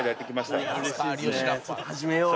始めよう。